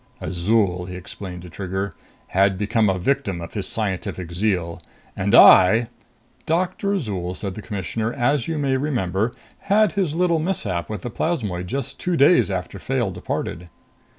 "Azol," he explained to Trigger, "had become a victim of his scientific zeal. And I " "Doctor Azol," said the Commissioner, "as you may remember, had his little mishap with the plasmoid just two days after Fayle departed."